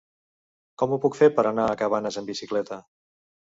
Com ho puc fer per anar a Cabanes amb bicicleta?